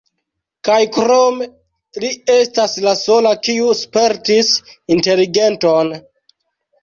Kaj krome, li estas la sola kiu spertis inteligenton.